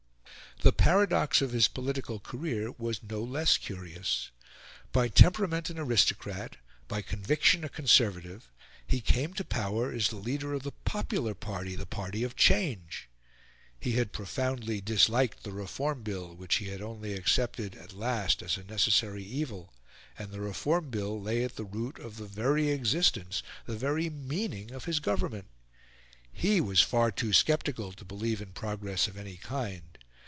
The paradox of his political career was no less curious. By temperament an aristocrat, by conviction a conservative, he came to power as the leader of the popular party, the party of change. He had profoundly disliked the Reform Bill, which he had only accepted at last as a necessary evil; and the Reform Bill lay at the root of the very existence, of the very meaning, of his government. He was far too sceptical to believe in progress of any kind.